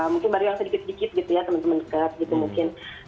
mungkin baru yang sedikit sedikit gitu ya teman teman dekat gitu mungkin